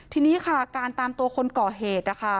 ทีนี้การตามตัวคนก่อเหตุ